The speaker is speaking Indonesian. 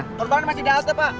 korbannya masih dalam pak